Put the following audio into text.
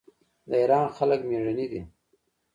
د ایران خلک میړني دي.